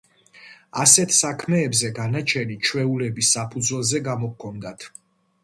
ასეთ საქმეებზე განაჩენი ჩვეულების საფუძველზე გამოჰქონდათ.